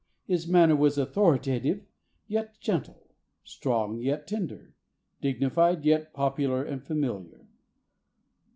His manner was authoritative, yet gentle; strong, yet tender; dignified, yet popular and familiar.